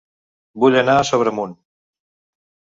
Vull anar a Sobremunt